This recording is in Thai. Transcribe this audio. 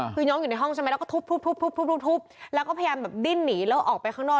คือน้องอยู่ในห้องใช่ไหมแล้วก็ทุบแล้วก็พยายามแบบดิ้นหนีแล้วออกไปข้างนอก